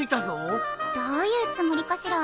どういうつもりかしら。